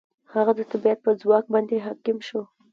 هغه د طبیعت په یو ځواک باندې حاکم شو.